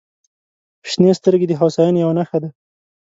• شنې سترګې د هوساینې یوه نښه ده.